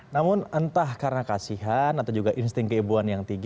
namun entah karena kasihan atau juga insting keibuan yang tinggi